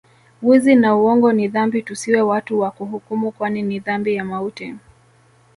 Wizi na uongo ni dhambi tusiwe watu wa kuhukumu kwani ni dhambi ya mauti